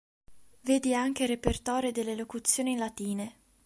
Vedi anche il repertorio delle locuzioni latine.